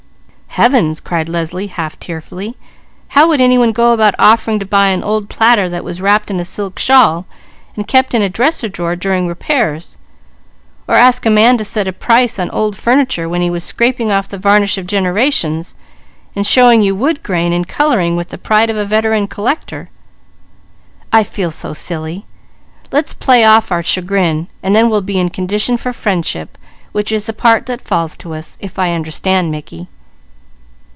"Heavens!" cried Leslie half tearfully. "How would any one go about offering to buy an old platter that was wrapped in a silk shawl and kept in the dresser drawer during repairs, or ask a man to set a price on old furniture, when he was scraping off the varnish of generations, and showing you wood grain and colouring with the pride of a veteran collector? I feel so silly! Let's play off our chagrin, and then we'll be in condition for friendship which is the part that falls to us, if I understand Mickey."